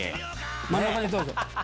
真ん中どうぞ。